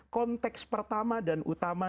konteks pertama dan utama